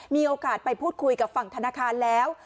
มีโอกาสไปพูดคุยกับฝั่งธนาคารแล้ว